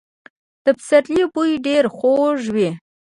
د پسرلي بوی ډېر خوږ وي.